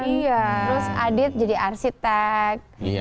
terus adit jadi arsitek